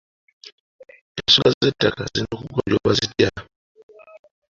Ensonga z'ettaka zirina kugonjoolwa zitya?